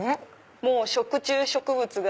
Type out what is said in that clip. もう食虫植物が。